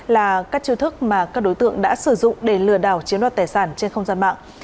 là các chiêu thức mà các đối tượng đã sử dụng để lừa đảo chiếm đoạt tài sản trên không gian mạng